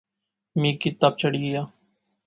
میں کی تپ چڑھی گیا